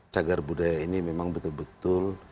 cagar budaya ini memang betul betul